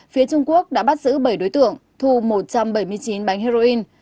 phía trung quốc đã bắt giữ bảy đối tượng thu một trăm bảy mươi chín bánh heroin